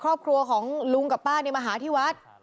ครอบครัวของลุงกับป้ามาหาที่วัด